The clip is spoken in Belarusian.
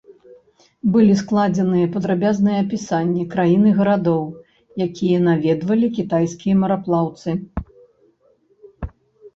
Былі складзеныя падрабязныя апісанні краін і гарадоў, якія наведвалі кітайскія мараплаўцы.